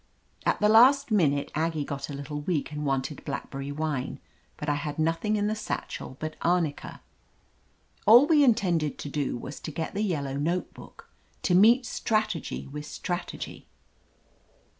At the last minute Aggie got a little weak and wanted blackberry wine, but I had nothing in the satchel but arnica. All we intended to do was to get the yellow notebook — ^to meet strategy with strategy.